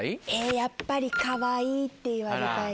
やっぱり「かわいい」って言われたいですね。